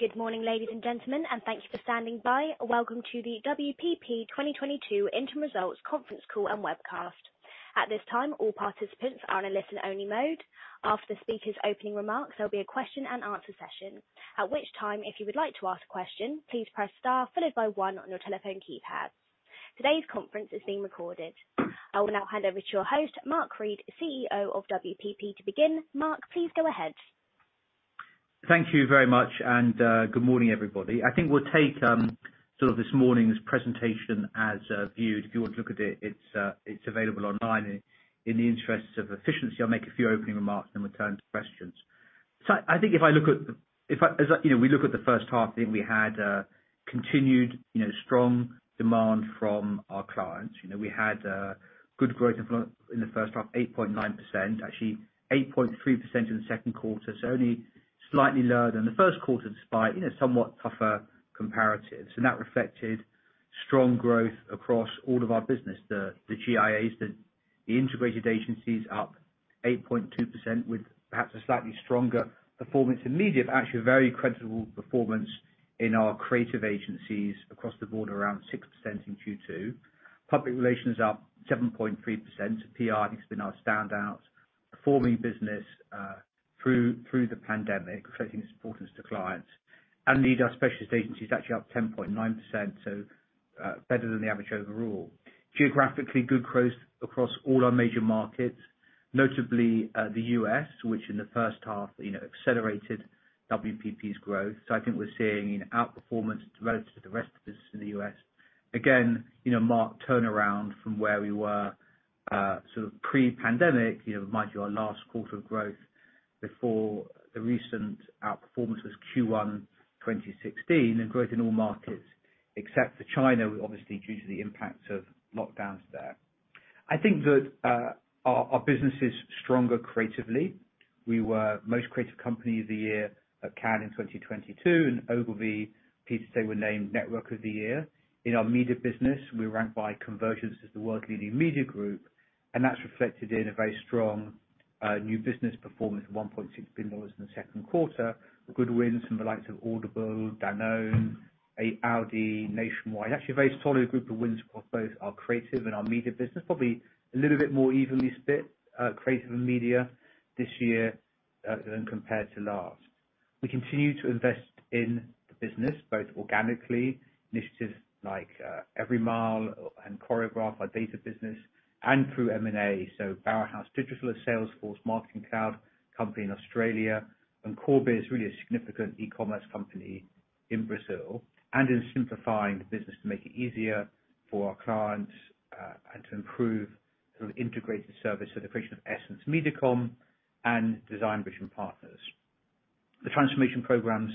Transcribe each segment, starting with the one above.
Good morning ladies and gentlemen and thank you for standing by. Welcome to the WPP 2022 interim results conference call and webcast. At this time, all participants are in a listen-only mode. After the speaker's opening remarks, there'll be a question-and-answer session, at which time, if you would like to ask a question, please press star followed by one on your telephone keypad. Today's conference is being recorded. I will now hand over to your host, Mark Read, CEO of WPP to begin. Mark please go ahead. Thank you very much and good morning, everybody. I think we'll take sort of this morning's presentation as viewed. If you want to look at it's available online. In the interests of efficiency, I'll make a few opening remarks and return to questions. We look at the first half. I think we had continued strong demand from our clients. You know, we had good growth in the first half, 8.9%. Actually, 8.3% in the second quarter, so only slightly lower than the first quarter despite you know, somewhat tougher comparatives. That reflected strong growth across all of our business. The GIAs, the integrated agencies up 8.2% with perhaps a slightly stronger performance in media, but actually a very credible performance in our creative agencies across the board, around 6% in Q2. Public relations up 7.3%. PR has been our standout performing business through the pandemic reflecting its importance to clients. Led our specialist agencies actually up 10.9%, better than the average overall. Geographically good growth across all our major markets, notably the U.S., which in the first half, you know, accelerated WPP's growth. I think we're seeing an outperformance relative to the rest of the business in the U.S. Again, you know, Mark, a turnaround from where we were sort of pre-pandemic. You know, remind you our last quarter of growth before the recent outperformance was Q1 2016 and growth in all markets, except for China, obviously due to the impacts of lockdowns there. I think that our business is stronger creatively. We were Most Creative Company of the Year at Cannes Lions in 2022, and Ogilvy were named Network of the Year. In our media business, we rank by COMvergence as the world's leading media group, and that's reflected in a very strong new business performance of $1.6 billion in the second quarter. Good wins from the likes of Audible, Danone, Audi, Nationwide. Actually a very solid group of wins across both our creative and our media business. Probably a little bit more evenly split, creative and media this year, than compared to last. We continue to invest in the business, both organically, initiatives like Everymile and Choreograph, our data business, and through M&A. Bower House Digital, a Salesforce Marketing Cloud company in Australia, and Corebiz, really a significant e-commerce company in Brazil, and in simplifying the business to make it easier for our clients, and to improve sort of integrated service with the creation of EssenceMediacom and Design Bridge and Partners. The transformation program's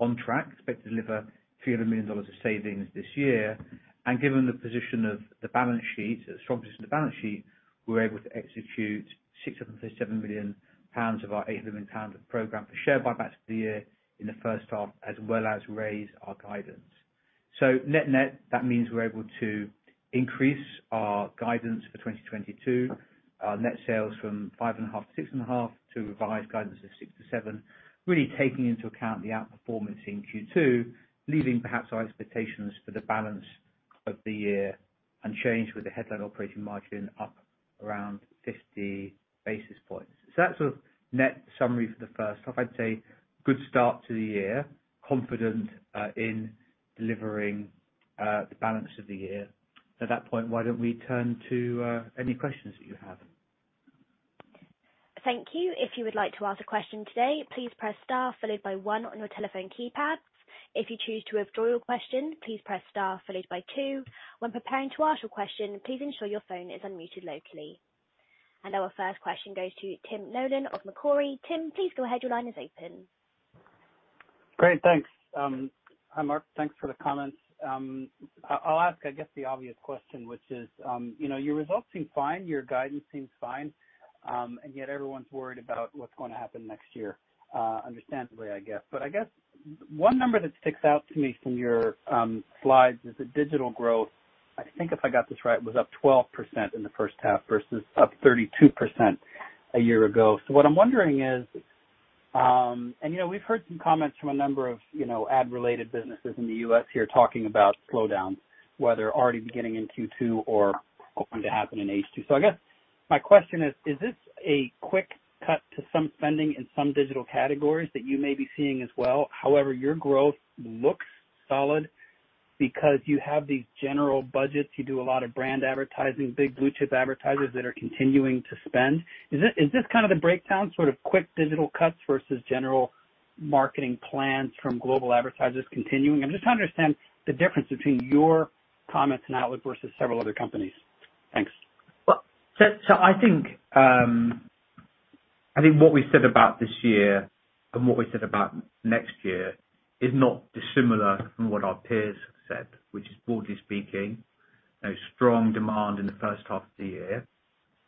on track expect to deliver $300 million of savings this year. Given the strong position of the balance sheet, we're able to execute 657 million pounds of our 800 million pounds program for share buybacks for the year in the first half, as well as raise our guidance. Net-net, that means we're able to increase our guidance for 2022, our net sales from 5.5%-6.5% to revised guidance of 6%-7%, really taking into account the outperformance in Q2, leaving perhaps our expectations for the balance of the year unchanged with the headline operating margin up around 50 basis points. That's a net summary for the first half. I'd say good start to the year confident in delivering the balance of the year. At that point why don't we turn to any questions that you have? Thank you. If you would like to ask a question today, please press star followed by one on your telephone keypads. If you choose to withdraw your question, please press star followed by two. When preparing to ask your question, please ensure your phone is unmuted locally. Our first question goes to Tim Nollen of Macquarie. Tim, please go ahead. Your line is open. Great, thanks. Hi, Mark. Thanks for the comments. I'll ask I guess the obvious question, which is, you know, your results seem fine, your guidance seems fine, and yet everyone's worried about what's gonna happen next year, understandably, I guess. I guess one number that sticks out to me from your slides is the digital growth. I think if I got this right, it was up 12% in the first half versus up 32% a year ago. What I'm wondering is, and, you know, we've heard some comments from a number of, you know, ad-related businesses in the U.S. here talking about slowdown, whether already beginning in Q2 or going to happen in H2. I guess my question is this a quick cut to some spending in some digital categories that you may be seeing as well? However, your growth looks solid because you have these general budgets. You do a lot of brand advertising, big blue-chip advertisers that are continuing to spend. Is this kind of the breakdown, sort of quick digital cuts versus general marketing plans from global advertisers continuing? I'm just trying to understand the difference between your comments and outlook versus several other companies. Thanks. I think what we said about this year and what we said about next year is not dissimilar from what our peers have said, which is broadly speaking, no strong demand in the first half of the year,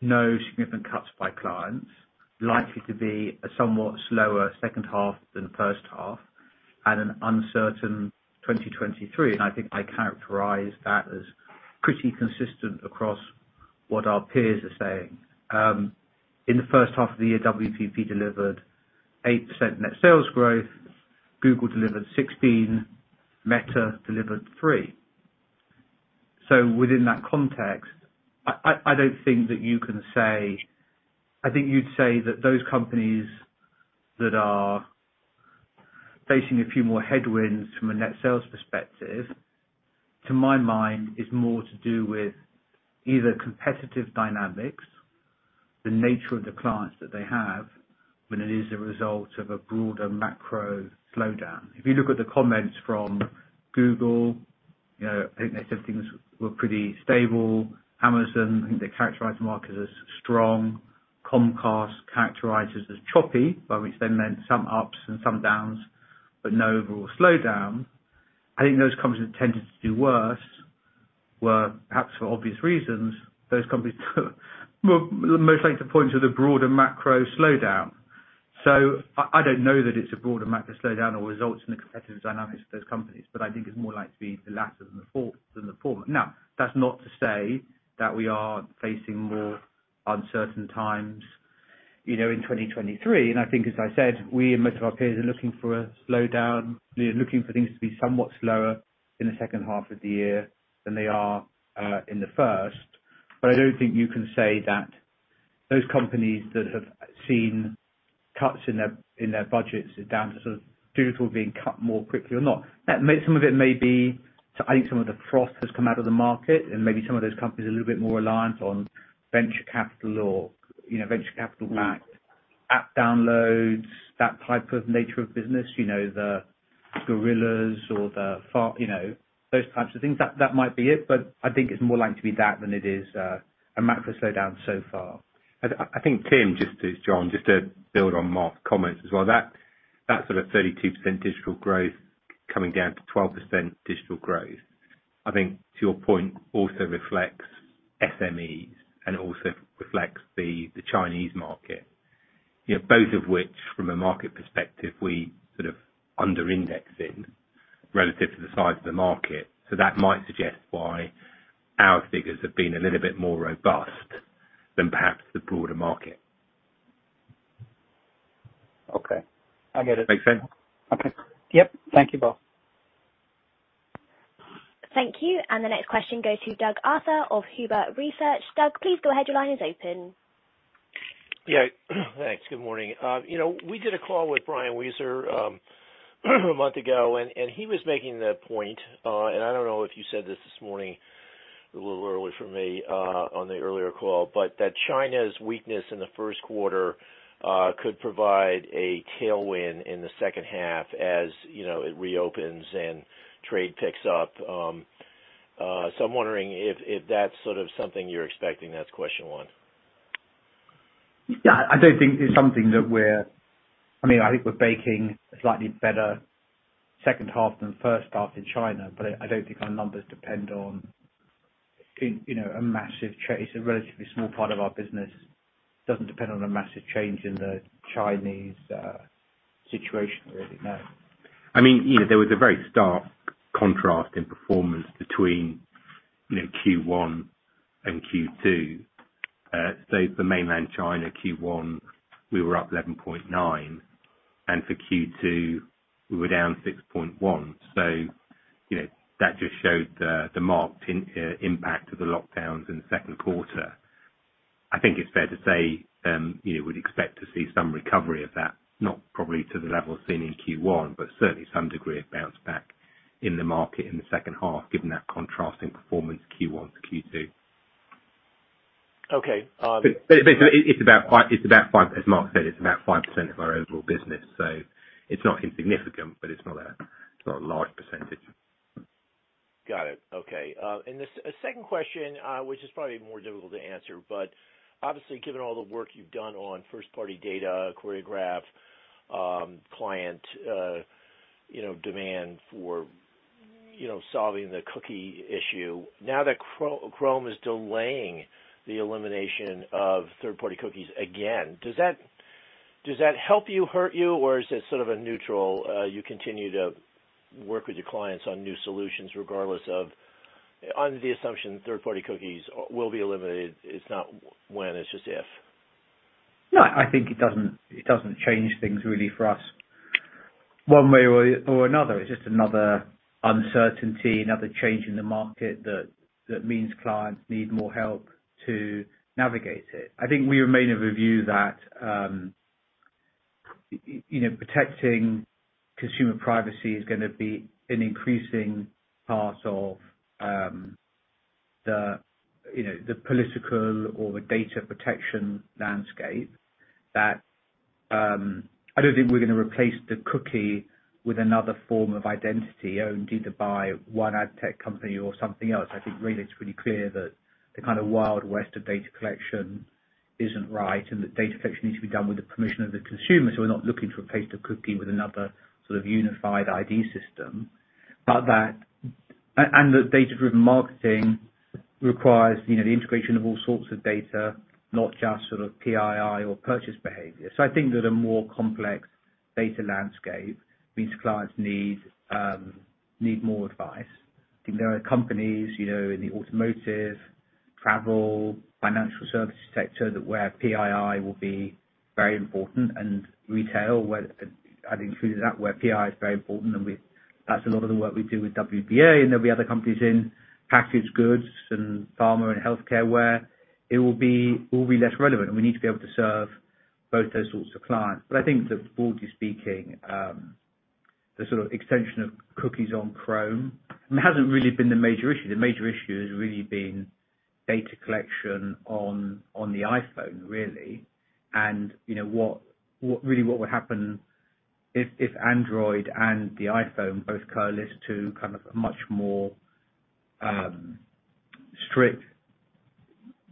no significant cuts by clients, likely to be a somewhat slower second half than the first half. An uncertain 2023, and I think I characterize that as pretty consistent across what our peers are saying. In the first half of the year, WPP delivered 8% net sales growth, Google delivered 16%, Meta delivered 3%. Within that context, I don't think that you can say. I think you'd say that those companies that are facing a few more headwinds from a net sales perspective, to my mind is more to do with either competitive dynamics, the nature of the clients that they have, than it is a result of a broader macro slowdown. If you look at the comments from Google, you know, I think they said things were pretty stable. Amazon I think they characterize the market as strong. Comcast characterizes as choppy, by which they meant some ups and some downs but no overall slowdown. I think those companies that tended to do worse were, perhaps for obvious reasons, those companies were most likely to point to the broader macro slowdown. I don't know that it's a broader macro slowdown or results in the competitive dynamics of those companies, but I think it's more likely to be the latter than the former. Now that's not to say that we are facing more uncertain times, you know, in 2023. I think, as I said, we and most of our peers are looking for a slowdown. We're looking for things to be somewhat slower in the second half of the year than they are in the first. I don't think you can say that those companies that have seen cuts in their budgets is down to sort of digital being cut more quickly or not. That may. Some of it may be to. I think some of the frost has come out of the market and maybe some of those companies are a little bit more reliant on venture capital or, you know, venture capital backed app downloads, that type of nature of business. You know, the Gorillas or the Farfetch, you know, those types of things. That might be it, but I think it's more likely to be that than it is a macro slowdown so far. I think, Tim, John, just to build on Mark's comments as well. That sort of 32% digital growth coming down to 12% digital growth, I think to your point, also reflects SMEs and also reflects the Chinese market. You know, both of which from a market perspective, we sort of under-index in relative to the size of the market. That might suggest why our figures have been a little bit more robust than perhaps the broader market. Okay. I get it. Make sense? Okay. Yep. Thank you both. Thank you. The next question goes to Doug Arthur of Huber Research. Doug, please go ahead. Your line is open. Yeah. Thanks. Good morning. You know, we did a call with Brian Wieser a month ago, and he was making the point, and I don't know if you said this this morning, a little early for me, on the earlier call, but that China's weakness in the first quarter could provide a tailwind in the second half as you know it reopens and trade picks up. I'm wondering if that's sort of something you're expecting. That's question one. Yeah, I don't think it's something that we're. I mean, I think we're baking a slightly better second half than first half in China, but I don't think our numbers depend on, you know, a massive change. It's a relatively small part of our business. Doesn't depend on a massive change in the Chinese situation really, no. I mean, you know, there was a very stark contrast in performance between, you know, Q1 and Q2. For mainland China Q1, we were up 11.9%, and for Q2, we were down 6.1%. You know, that just showed the marked impact of the lockdowns in the second quarter. I think it's fair to say, you know, we'd expect to see some recovery of that, not probably to the level seen in Q1, but certainly some degree of bounce back in the market in the second half, given that contrasting performance Q1 to Q2. Okay. As Mark said, it's about 5% of our overall business, so it's not insignificant, but it's not a large percentage. Got it. Okay. The second question, which is probably more difficult to answer, but obviously, given all the work you've done on first-party data, Choreograph, client, you know, demand for solving the cookie issue. Now that Chrome is delaying the elimination of third-party cookies again, does that help you, hurt you, or is it sort of a neutral. You continue to work with your clients on new solutions regardless of under the assumption third-party cookies will be eliminated. It's not when, it's just if. No, I think it doesn't change things really for us one way or another. It's just another uncertainty, another change in the market that means clients need more help to navigate it. I think we remain of the view that you know, protecting consumer privacy is gonna be an increasing part of the you know, the political or the data protection landscape that I don't think we're gonna replace the cookie with another form of identity owned either by one ad tech company or something else. I think really it's pretty clear that the kind of Wild West of data collection isn't right and that data collection needs to be done with the permission of the consumer. We're not looking to replace the cookie with another sort of unified ID system, but that. The data-driven marketing requires, you know, the integration of all sorts of data, not just sort of PII or purchase behavior. I think that a more complex data landscape means clients need more advice. I think there are companies, you know, in the automotive, travel, financial services sector that where PII will be very important and retail, where I'd included that where PII is very important and we. That's a lot of the work we do with WPP, and there'll be other companies in packaged goods and pharma and healthcare where it will be less relevant, and we need to be able to serve both those sorts of clients. I think that broadly speaking, the sort of extension of cookies on Chrome hasn't really been the major issue. The major issue has really been data collection on the iPhone really, and you know, what would happen if Android and the iPhone both coalesce to kind of a much more strict.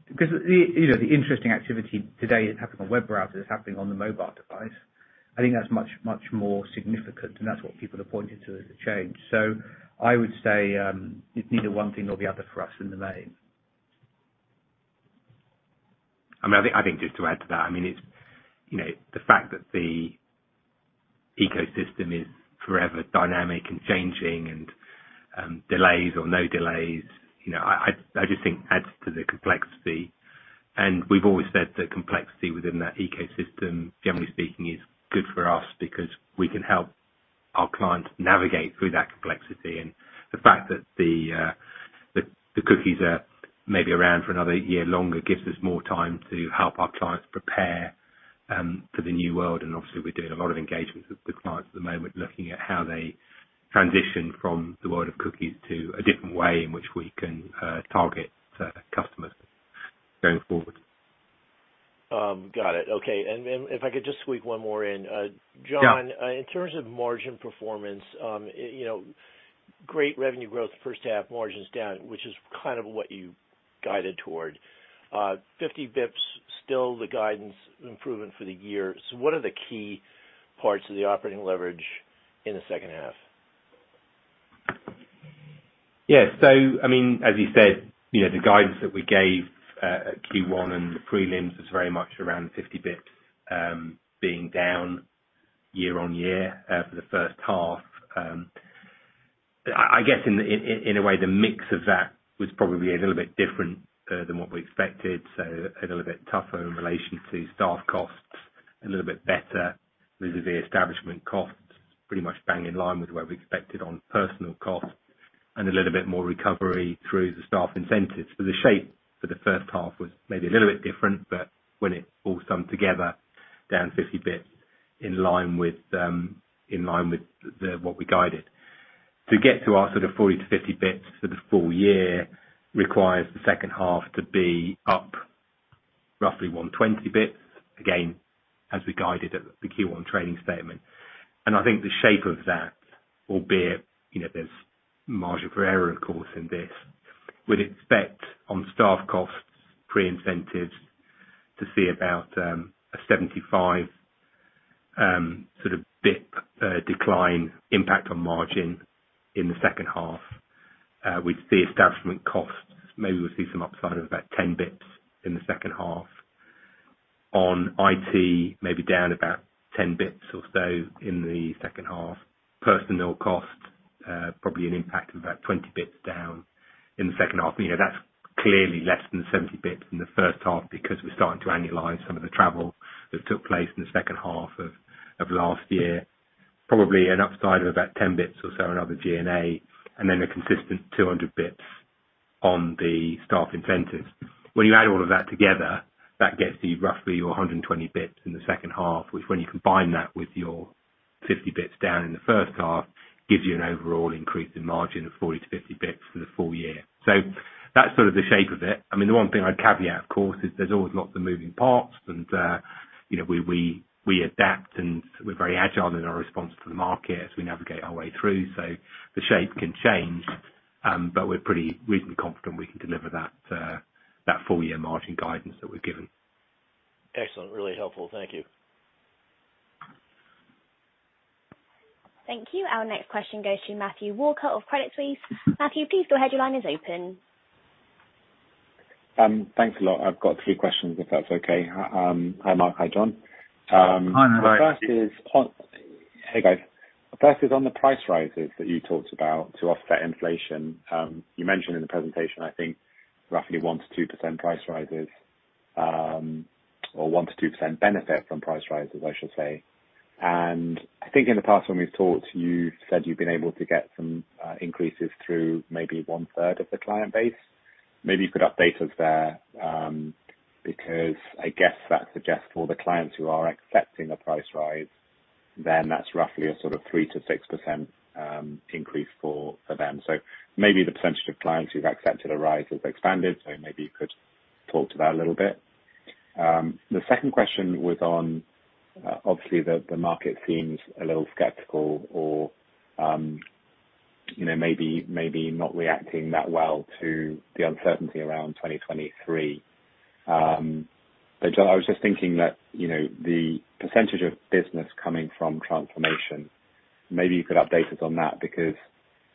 Because you know, the interesting activity today is happening on web browsers, happening on the mobile device. I think that's much, much more significant, and that's what people have pointed to as a change. I would say, it's neither one thing nor the other for us in the main. I think just to add to that, I mean, it's, you know, the fact that the ecosystem is forever dynamic and changing and, delays or no delays, you know, I just think adds to the complexity. We've always said that complexity within that ecosystem, generally speaking, is good for us because we can help our clients navigate through that complexity. The fact that the cookies are maybe around for another year longer gives us more time to help our clients prepare for the new world. Obviously we're doing a lot of engagements with the clients at the moment, looking at how they transition from the world of cookies to a different way in which we can target customers going forward. Got it. Okay. If I could just squeak one more in. Yeah. John, in terms of margin performance, you know, great revenue growth, first half margins down, which is kind of what you guided toward, 50 basis point, still the guidance improvement for the year. What are the key parts of the operating leverage in the second half? Yeah. I mean, as you said, you know, the guidance that we gave at Q1 and the prelims is very much around 50 basis points, being down year-on-year for the first half. I guess in a way the mix of that was probably a little bit different than what we expected, so a little bit tougher in relation to staff costs, a little bit better with the establishment costs, pretty much bang in line with what we expected on personnel costs and a little bit more recovery through the staff incentives. The shape for the first half was maybe a little bit different, but when it all summed together down 50 basis points in line with what we guided. To get to our sort of 40 basis points to 50 basis point for the full year requires the second half to be up roughly 120 basis points again, as we guided at the Q1 trading statement. I think the shape of that, albeit, you know, there's margin for error of course in this, would expect on staff costs, pre-incentives to see about a 75 basis point, sort of bps decline impact on margin in the second half. We'd see establishment costs. Maybe we'll see some upside of about 10 basis points in the second half. On IT, maybe down about 10 basis points or so in the second half. Personnel cost, probably an impact of about 20 basis points down in the second half. You know, that's clearly less than 70 basis points in the first half because we're starting to annualize some of the travel that took place in the second half of last year. Probably an upside of about 10 basis points or so on other G&A, and then a consistent 200 basis points on the staff incentives. When you add all of that together, that gets you roughly your 120 basis points in the second half, which when you combine that with your 50 basis points down in the first half, gives you an overall increase in margin of 40 basis points to 50 basis points for the full year. That's sort of the shape of it. I mean, the one thing I'd caveat, of course, is there's always lots of moving parts and, you know, we adapt and we're very agile in our response to the market as we navigate our way through. The shape can change, but we're pretty reasonably confident we can deliver that full year margin guidance that we've given. Excellent. Really helpful. Thank you. Thank you. Our next question goes to Matthew Walker of Credit Suisse. Matthew, please go ahead. Your line is open. Thanks a lot. I've got three questions, if that's okay. Hi, Mark. Hi, John. Hi, Matt. Hey, guys. The first is on the price rises that you talked about to offset inflation. You mentioned in the presentation, I think roughly 1%-2% price rises, or 1%-2% benefit from price rises, I should say. I think in the past when we've talked, you said you've been able to get some increases through maybe one-third of the client base. Maybe you could update us there, because I guess that suggests for the clients who are accepting a price rise, that's roughly a sort of 3%-6% increase for them. Maybe the percentage of clients who've accepted a rise has expanded, maybe you could talk to that a little bit. The second question was on, obviously, the market seems a little skeptical or, you know, maybe not reacting that well to the uncertainty around 2023. I was just thinking that, you know, the percentage of business coming from transformation Maybe you could update us on that because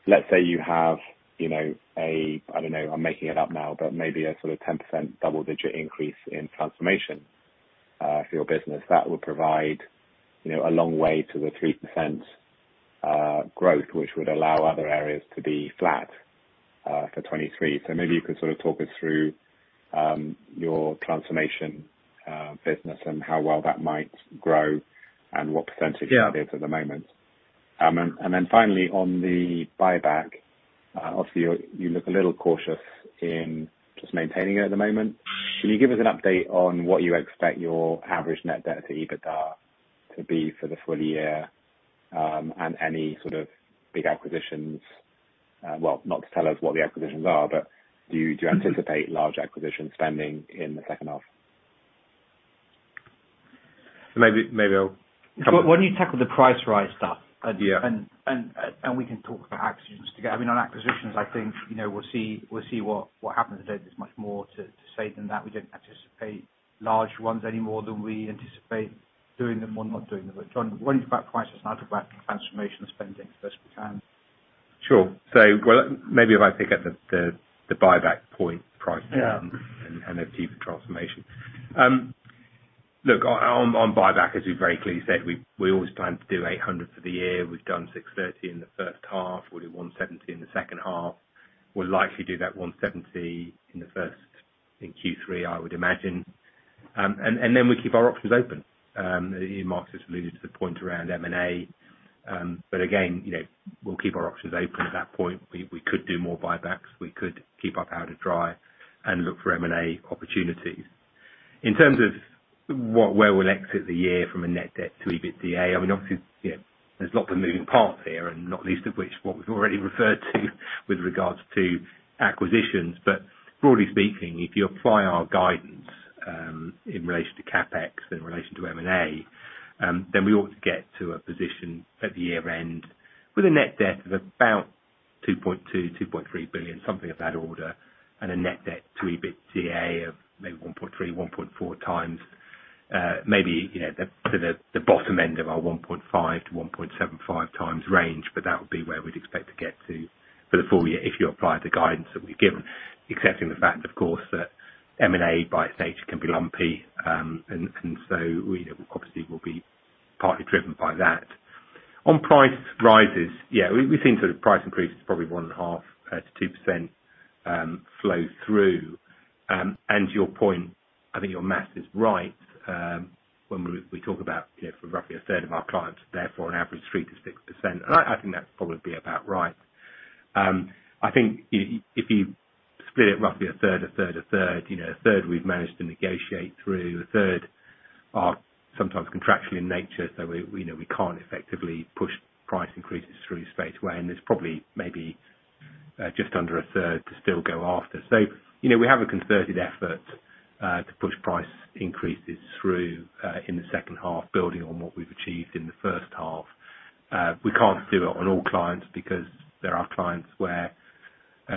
let's say you have, you know, I don't know, I'm making it up now, but maybe a sort of 10% double-digit increase in transformation for your business. That would provide, you know, a long way to the 3% growth, which would allow other areas to be flat for 2023. Maybe you could sort of talk us through your transformation business and how well that might grow and what percentage- Yeah It is at the moment. Finally on the buyback, obviously you look a little cautious in just maintaining it at the moment. Can you give us an update on what you expect your average net debt to EBITDA to be for the full year, and any sort of big acquisitions? Well, not to tell us what the acquisitions are, but do you anticipate large acquisition spending in the second half? Maybe. Why don't you tackle the price rise stuff? Yeah. We can talk about acquisitions together. I mean, on acquisitions, I think, you know, we'll see what happens. I don't think there's much more to say than that. We don't anticipate large ones any more than we anticipate doing them or not doing them. John, why don't you talk about transformation spending first. We can. Sure. Well, maybe if I pick up the buyback point price. Yeah. Achieve the transformation. Look, on buyback, as we very clearly said, we always plan to do 800 for the year. We've done 630 in the first half. We'll do 170 in the second half. We'll likely do that 170 in the first, in Q3, I would imagine. We keep our options open. Mark alluded to the point around M&A, but again, you know, we'll keep our options open at that point. We could do more buybacks, we could keep our powder dry and look for M&A opportunities. In terms of where we'll exit the year from a net debt to EBITDA, I mean, obviously, you know, there's lots of moving parts here, and not least of which what we've already referred to with regards to acquisitions. Broadly speaking, if you apply our guidance in relation to CapEx, in relation to M&A, then we ought to get to a position at the year-end with a net debt of about 2.2 billion-2.3 billion, something of that order, and a net debt to EBITDA of maybe 1.3x-1.4x, maybe you know the bottom end of our 1.5x-1.75x range, but that would be where we'd expect to get to for the full year if you apply the guidance that we've given. Excepting the fact, of course, that M&A by its nature can be lumpy, and so we know obviously will be partly driven by that. On price rises, yeah, we think the price increase is probably 1.5%-2% flow through. To your point, I think your math is right, when we talk about, you know, for roughly a third of our clients, therefore an average 3%-6%. I think that would probably be about right. I think if you split it roughly a third, a third, a third, you know, a third we've managed to negotiate through, a third are sometimes contractual in nature, so we know we can't effectively push price increases through straight away. There's probably just under a third to still go after. You know, we have a concerted effort to push price increases through in the second half, building on what we've achieved in the first half. We can't do it on all clients because there are clients where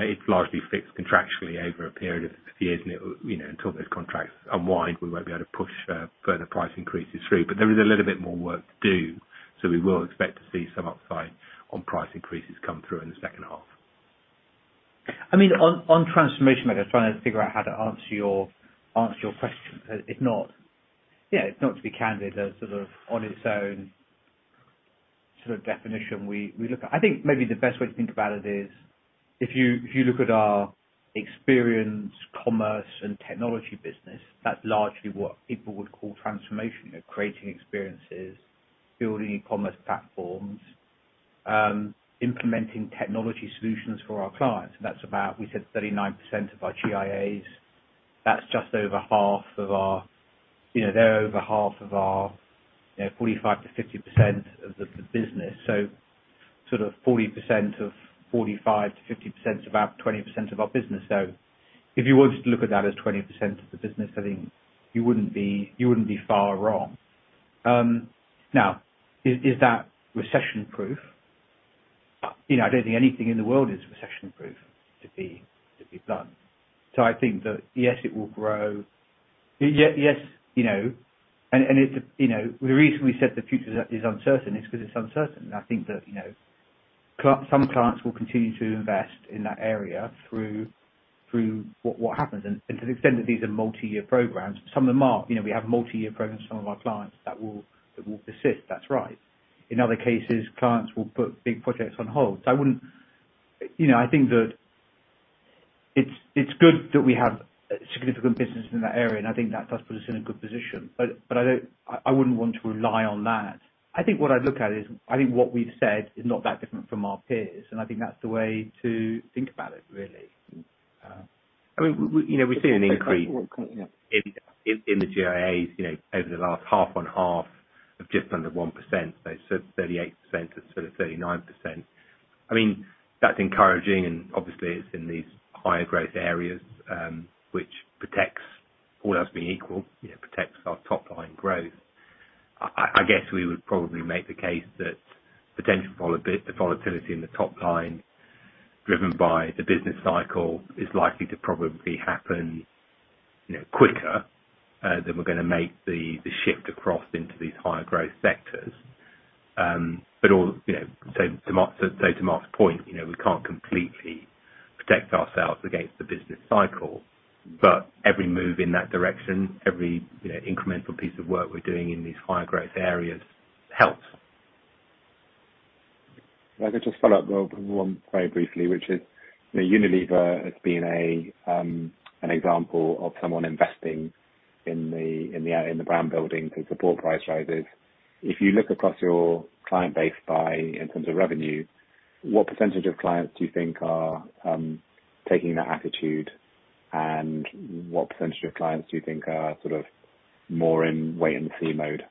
it's largely fixed contractually over a period of years, and it will, you know, until those contracts unwind, we won't be able to push further price increases through. There is a little bit more work to do, so we will expect to see some upside on price increases come through in the second half. I mean, on transformation, like I was trying to figure out how to answer your question. If not to be candid, as sort of on its own sort of definition, we look at. I think maybe the best way to think about it is if you look at our experiential, commerce and technology business, that's largely what people would call transformation. You're creating experiences, building e-commerce platforms, implementing technology solutions for our clients. And that's about. We said 39% of our GIAs. That's just over half of our. You know, they're over half of our. You know, 45%-50% of the business. So sort of 40% of 45%-50% is about 20% of our business. If you wanted to look at that as 20% of the business, I think you wouldn't be far wrong. Now, is that recession-proof? I don't think anything in the world is recession-proof, to be blunt. I think that, yes, it will grow. Yes, the reason we said the future is uncertain is because it's uncertain. I think that, some clients will continue to invest in that area through what happens. To the extent that these are multi-year programs, some of them are. We have multi-year programs with some of our clients that will persist, that's right. In other cases, clients will put big projects on hold. I wouldn't. You know, I think that it's good that we have significant business in that area, and I think that does put us in a good position. I wouldn't want to rely on that. I think what I'd look at is, I think what we've said is not that different from our peers, and I think that's the way to think about it really. I mean, we, you know, we've seen an increase in the GIAs, you know, over the last half on half of just under 1%. So 38% to sort of 39%. I mean, that's encouraging, and obviously it's in these higher growth areas, which protects, all else being equal, you know, protects our top line growth. I guess we would probably make the case that potential volatility in the top line driven by the business cycle is likely to probably happen you know, quicker than we're gonna make the shift across into these higher growth sectors. To Mark's point, you know, we can't completely protect ourselves against the business cycle, but every move in that direction, every, you know, incremental piece of work we're doing in these higher growth areas helps. If I could just follow up, Mark, one very briefly, which is, you know, Unilever has been an example of someone investing in the brand building to support price rises. If you look across your client base by, in terms of revenue, what percentage of clients do you think are taking that attitude? And what percentage of clients do you think are sort of more in wait and see mode?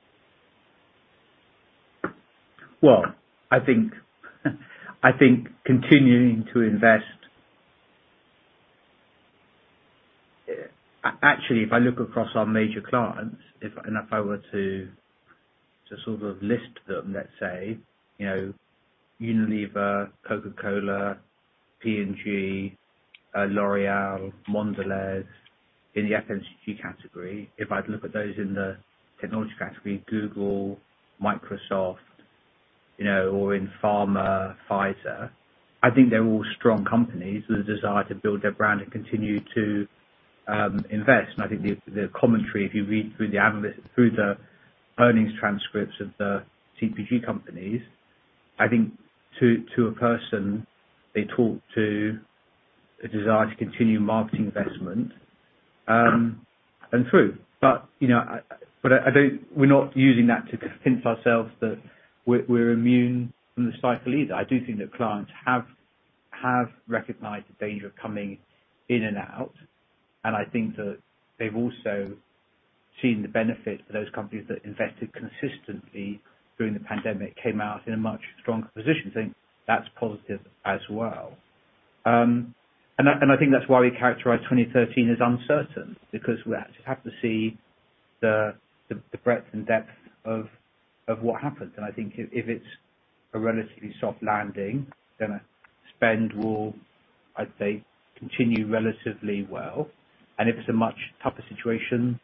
Well, I think continuing to invest. Actually, if I look across our major clients, if I were to sort of list them, let's say, you know, Unilever, Coca-Cola, P&G, L'Oréal, Mondelez in the FMCG category. If I look at those in the technology category, Google, Microsoft, you know, or in pharma, Pfizer. I think they're all strong companies with a desire to build their brand and continue to invest. I think the commentary, if you read through the earnings transcripts of the CPG companies, I think to a person, they talk to a desire to continue marketing investment. And true. You know, but I don't. We're not using that to convince ourselves that we're immune from the cycle either. I do think that clients have recognized the danger of coming in and out, and I think that they've also seen the benefit for those companies that invested consistently during the pandemic, came out in a much stronger position. Think that's positive as well. I think that's why we characterize 2013 as uncertain, because we have to see the breadth and depth of what happens. I think if it's a relatively soft landing, then our spend will, I'd say, continue relatively well. If it's a much tougher situation,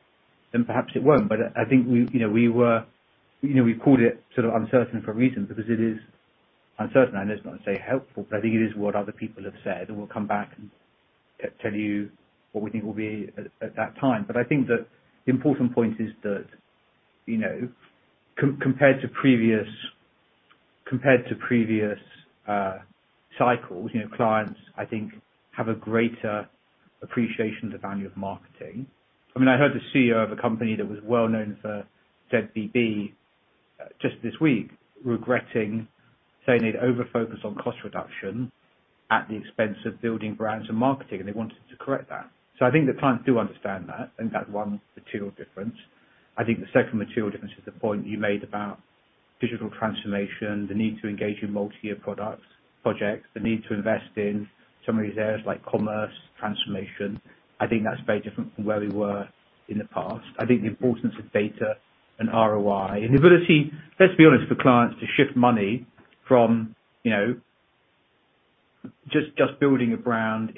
then perhaps it won't. I think we, you know, You know, we called it sort of uncertain for a reason because it is uncertain. I know it's gonna sound helpful, but I think it is what other people have said, and we'll come back and tell you what we think it will be at that time. I think the important point is that, you know, compared to previous cycles, you know, clients I think have a greater appreciation of the value of marketing. I mean, I heard the CEO of a company that was well known for ZBB just this week regretting saying they'd over-focused on cost reduction at the expense of building brands and marketing, and they wanted to correct that. I think the clients do understand that, and that's one material difference. I think the second material difference is the point you made about digital transformation, the need to engage in multi-year products, projects, the need to invest in some of these areas like commerce transformation. I think that's very different from where we were in the past. I think the importance of data and ROI and the ability, let's be honest, for clients to shift money from, you know, just building a brand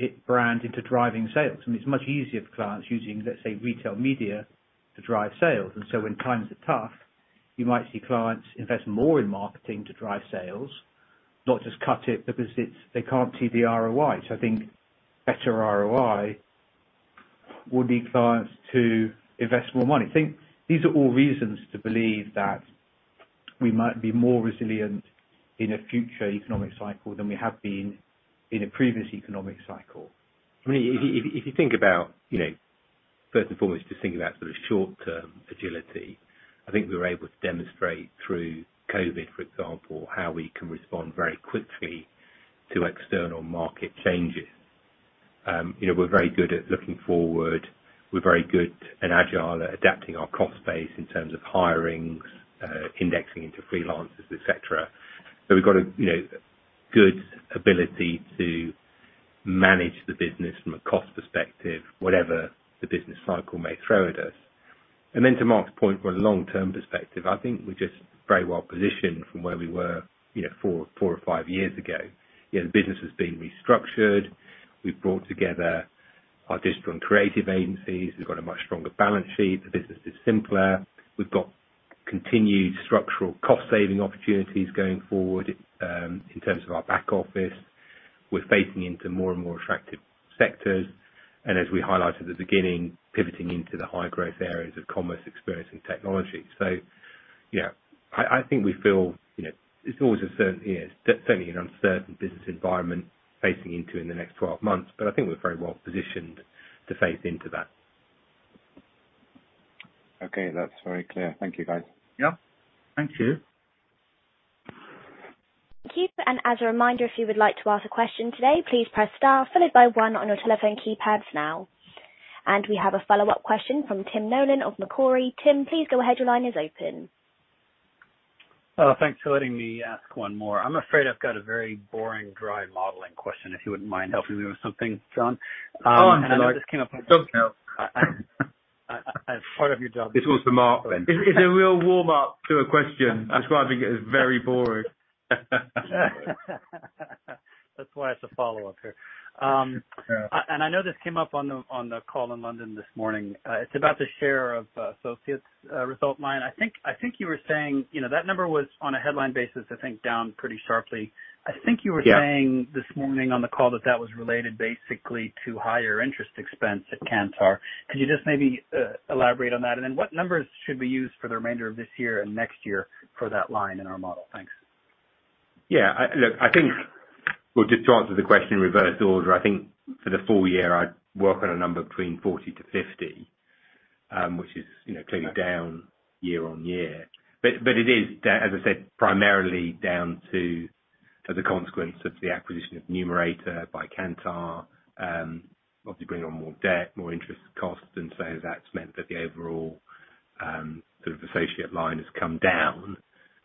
into driving sales. I mean, it's much easier for clients using, let's say, retail media to drive sales. When times are tough, you might see clients invest more in marketing to drive sales, not just cut it because they can't see the ROI. Better ROI would lead clients to invest more money. Think these are all reasons to believe that we might be more resilient in a future economic cycle than we have been in a previous economic cycle. I mean, if you think about, you know, first and foremost, just thinking about sort of short-term agility, I think we were able to demonstrate through COVID, for example, how we can respond very quickly to external market changes. You know, we're very good at looking forward. We're very good and agile at adapting our cost base in terms of hirings, indexing into freelancers, et cetera. We've got a, you know, good ability to manage the business from a cost perspective, whatever the business cycle may throw at us. Then to Mark's point from a long-term perspective, I think we're just very well positioned from where we were four or five years ago. You know, the business was being restructured. We've brought together our different creative agencies. We've got a much stronger balance sheet. The business is simpler. We've got continued structural cost saving opportunities going forward in terms of our back office. We're facing into more and more attractive sectors, and as we highlighted at the beginning, pivoting into the high growth areas of commerce, experience and technology. Yeah, I think we feel, you know, it's always a certain, you know, certainly an uncertain business environment facing into the next 12 months, but I think we're very well positioned to face into that. Okay. That's very clear. Thank you, guys. Yeah. Thank you. Thank you. As a reminder, if you would like to ask a question today, please press star followed by one on your telephone keypads now. We have a follow-up question from Tim Nollen of Macquarie. Tim, please go ahead. Your line is open. Thanks for letting me ask one more. I'm afraid I've got a very boring, dry modeling question, if you wouldn't mind helping me with something, John. Oh, no. I know this came up. Don't know. Oh, have you done? This one's for Mark then. It's a real warm-up to a question describing it as very broad. That's why it's a follow-up here. And I know this came up on the call in London this morning. It's about the share of associates result line. I think you were saying, you know, that number was on a headline basis, I think down pretty sharply. I think you were saying- Yeah. This morning on the call that was related basically to higher interest expense at Kantar. Could you just maybe elaborate on that? What numbers should we use for the remainder of this year and next year for that line in our model? Thanks. Yeah. Look, I think well, just to answer the question in reverse order. I think for the full year, I'd work on a number between 40%-50%, which is, you know, clearly down year-over-year. It is, as I said, primarily down to the consequence of the acquisition of Numerator by Kantar. Obviously bring on more debt, more interest costs, and so that's meant that the overall, sort of associate line has come down.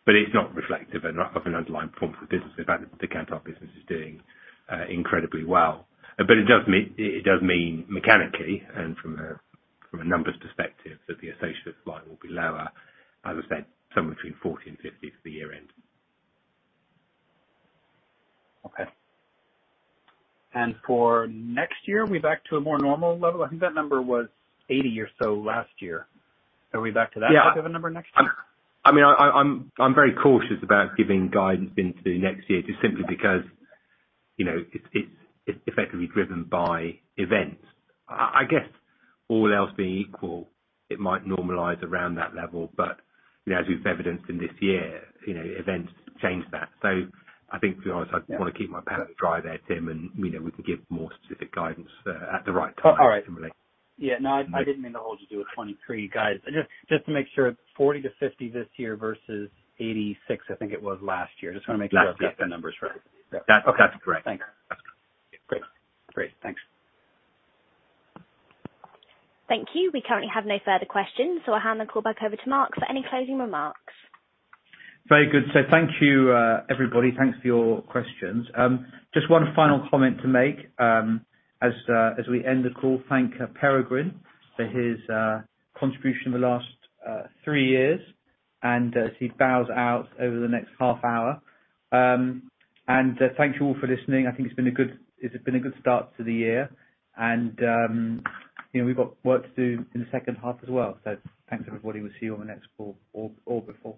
It's not reflective of an underlying form for the business. In fact, the Kantar business is doing incredibly well. It does mean mechanically and from a numbers perspective, that the associates line will be lower, as I said, somewhere between 40%-50% for the year end. Okay. For next year, are we back to a more normal level? I think that number was 80 or so last year. Are we back to that type of a number next year? Yeah. I mean, I'm very cautious about giving guidance into next year, just simply because, you know, it's effectively driven by events. I guess all else being equal, it might normalize around that level. You know, as we've evidenced in this year, you know, events change that. I think, to be honest, I wanna keep my powder dry there, Tim, and, you know, we can give more specific guidance at the right time. All right. Similarly. Yeah. No, I didn't mean to hold you to a 23 guide. Just to make sure 40%-50% this year versus 86%, I think it was last year. Just wanna make sure I've got the numbers right. That's correct. Okay. Thanks. That's correct. Great. Thanks. Thank you. We currently have no further questions, so I'll hand the call back over to Mark for any closing remarks. Very good. Thank you, everybody. Thanks for your questions. Just one final comment to make, as we end the call. Thank Peregrine for his contribution over the last three years and as he bows out over the next half hour. Thank you all for listening. I think it's been a good start to the year and, you know, we've got work to do in the second half as well. Thanks, everybody. We'll see you on the next call or before.